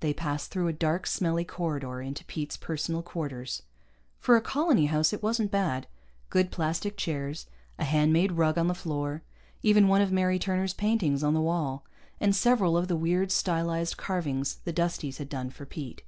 They passed through a dark, smelly corridor into Pete's personal quarters. For a colony house, if wasn't bad good plastic chairs, a hand made rug on the floor, even one of Mary Turner's paintings on the wall, and several of the weird, stylized carvings the Dusties had done for Pete.